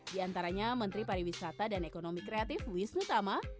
di antaranya menteri pariwisata dan ekonomi kreatif wisnu tama